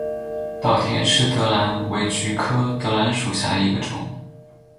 岛田氏泽兰为菊科泽兰属下的一个种。